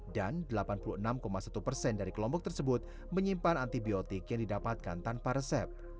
dan delapan puluh enam satu persen dari kelompok tersebut menyimpan antibiotik yang didapatkan tanpa resep